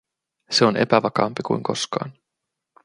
Se on epävakaampi kuin koskaan.